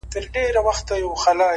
زما خبري خدايه بيرته راکه ـ